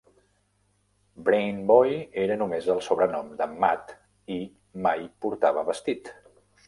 "Brain Boy" era només el sobrenom de Matt i mai portava vestit.